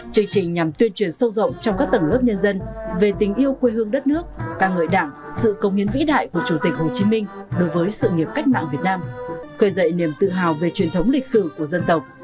chương trình nhằm tuyên truyền sâu rộng trong các tầng lớp nhân dân về tình yêu quê hương đất nước ca ngợi đảng sự công hiến vĩ đại của chủ tịch hồ chí minh đối với sự nghiệp cách mạng việt nam khơi dậy niềm tự hào về truyền thống lịch sử của dân tộc